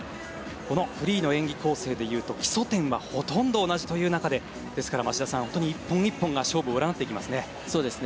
このフリーの演技構成でいうと基礎点はほとんど同じという中で町田さん、本当に１本１本が勝負を占っていきますね。